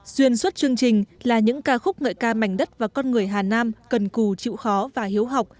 xuyên suốt chương trình là những ca khúc ngợi ca mảnh đất và con người hà nam cần cù chịu khó và hiếu học